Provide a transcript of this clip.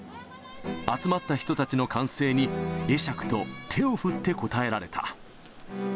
集まった人たちの歓声に、会釈と手を振って応えられた。